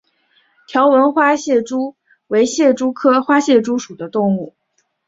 条纹花蟹蛛为蟹蛛科花蟹蛛属的动物。